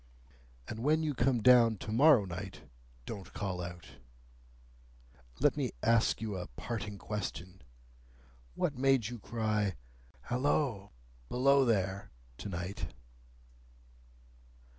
"And when you come down to morrow night, don't call out! Let me ask you a parting question. What made you cry, 'Halloa! Below there!' to night?"